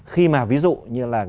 khi mà ví dụ như là